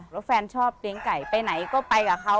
แล้วแฟนชอบเลี้ยงไก่ไปไหนก็ไปกับเขา